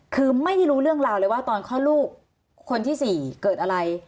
คือไม่ได้รู้เรื่องราวเลยว่าตอนคลอดลูกคนที่๔เกิดอะไร